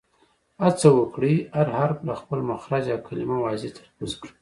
هڅه وکړئ، هر حرف له خپل مخرج او کلیمه واضیح تلفظ کړئ!